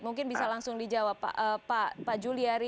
mungkin bisa langsung dijawab pak juliari